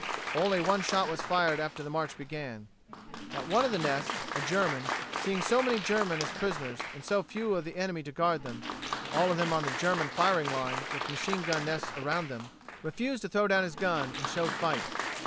Only one shot was fired after the march began. At one of the nests, a German, seeing so many Germans as prisoners and so few of the enemy to guard them all of them on the German firing line with machine gun nests around them refused to throw down his gun, and showed fight.